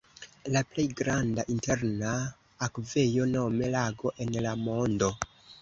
La plej granda interna akvejo nome lago en la mondo.